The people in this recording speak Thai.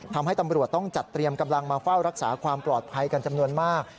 ทำให้ตำรวจต้องจัดเตรียมกำลังมาเฝ้ารักษาความปลอดภัยกันจำนวนมาก